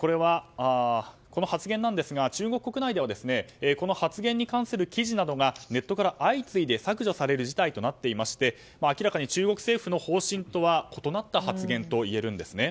この発言なんですが中国国内では記事などがネットから相次いで削除される事態となっていまして明らかに中国政府の方針とは異なる発言といえます。